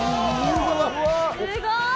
すごーい！